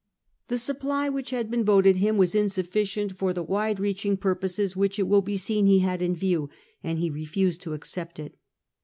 The supply which had been voted him was insufficient for the wide reaching pur poses which it will be seen he had in view, and he refused to accept it.